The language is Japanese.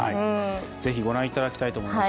ぜひご覧いただきたいと思います。